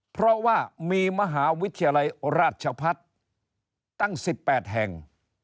เพราะว่ามีมหาวิทยาลัยราชพัฒน์ตั้ง๑๘แห่ง